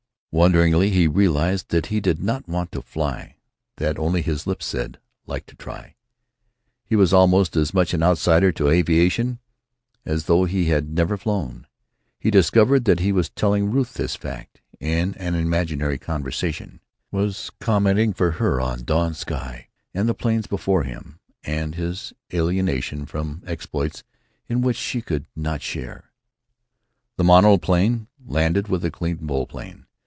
Wonderingly he realized that he did not want to fly; that only his lips said, "Like to try." He was almost as much an outsider to aviation as though he had never flown. He discovered that he was telling Ruth this fact, in an imaginary conversation; was commenting for her on dawn sky and the plains before him and his alienation from exploits in which she could not share. The monoplane landed with a clean volplane.